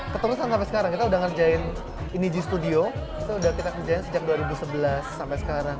ketemuan sampai sekarang kita sudah ngerjain iniju studio itu sudah kita kerjain sejak dua ribu sebelas sampai sekarang